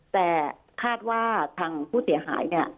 แต่คาดว่าทางผู้เสียหายเนี่ย